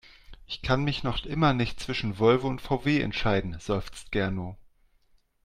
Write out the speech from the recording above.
"Ich kann mich noch immer nicht zwischen Volvo und VW entscheiden", seufzt Gernot.